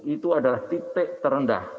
itu adalah titik terendah